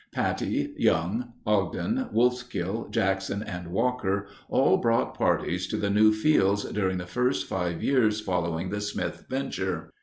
Pattie, Young, Ogden, Wolfskill, Jackson, and Walker all brought parties to the new fields during the first five years following the Smith venture.